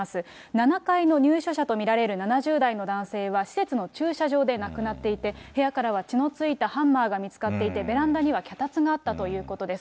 ７階の入所者と見られる７０代の男性は、施設の駐車場で亡くなっていて、部屋からは血のついたハンマーが見つかっていて、ベランダには脚立があったということです。